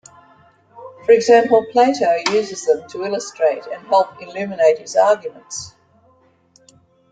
For example, Plato uses them to illustrate and help illuminate his arguments.